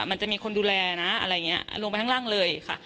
มันจะมีคนดูแลนะลงไปข้างล่างเลยค่ะ